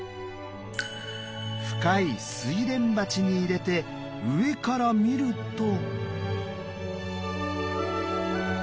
深い睡蓮鉢に入れて上から見ると。